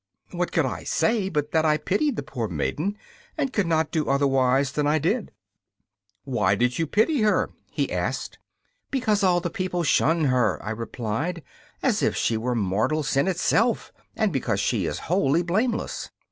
What could I say but that I pitied the poor maiden and could not do otherwise than as I did? 'Why did you pity her?' he asked. 'Because all the people shun her,' I replied, 'as if she were mortal sin itself, and because she is wholly blameless.